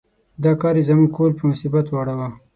دا کار یې زموږ کهول په مصیبت واړاوه.